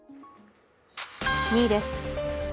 ２位です。